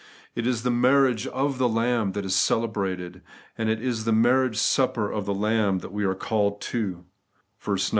It is the marriage of the Lamb that is celebrated, and it is to the marriage supper of the Lamb that we are called (xix.